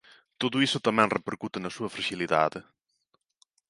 Todo iso tamén repercute na súa fraxilidade.